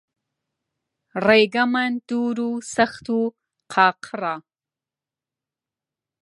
ڕێگەمان دوور و سەخت و قاقڕە